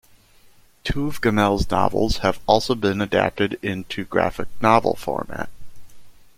Two of Gemmell's novels have also been adapted into graphic novel format.